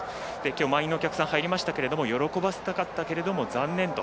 きょうは満員のお客さんが入りましたけど喜ばせたかったけれど残念と。